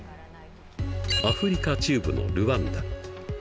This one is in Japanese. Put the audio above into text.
アフリカ中部のルワンダ。